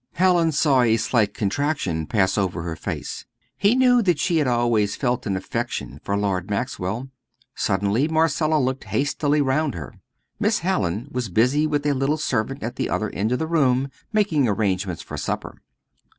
Hallin saw a slight contraction pass over her face. He knew that she had always felt an affection for Lord Maxwell. Suddenly Marcella looked hastily round her. Miss Hallin was busy with a little servant at the other end of the room making arrangements for supper.